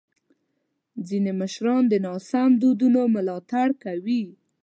ځینې مشران د ناسم دودونو ملاتړ کوي.